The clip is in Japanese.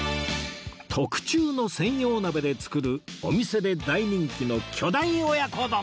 特注の専用鍋で作るお店で大人気の巨大親子丼！